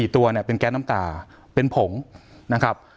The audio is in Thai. ตัวเนี่ยเป็นแก๊สน้ำตาเป็นผงนะครับ